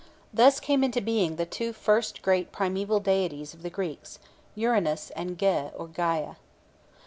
Thus came into being the two first great primeval deities of the Greeks, Uranus and Ge or Gæa.